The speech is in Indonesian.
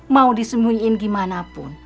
mau disemuiin gimana pun